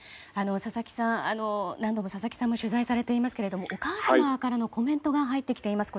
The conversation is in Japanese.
佐々木さんも何度も取材されていますがお母さまからのコメントが入ってきています。